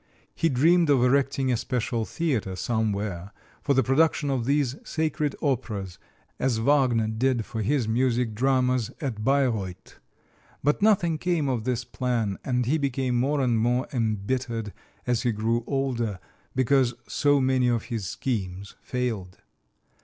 He dreamed of erecting a special theater somewhere for the production of these "sacred operas," as Wagner did for his music dramas at Bayreuth; but nothing came of this plan, and he became more and more embittered as he grew older, because so many of his schemes failed.